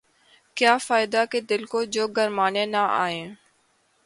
کیا فائدہ کہ دل کو جو گرمانے نہ آئیں